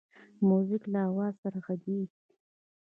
موزیک له آواز سره غږیږي.